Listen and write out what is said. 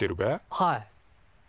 はい。